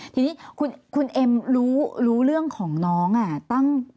ทีนี้คุณเอ็มรู้เรื่องของน้อง